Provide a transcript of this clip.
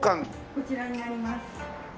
こちらになります。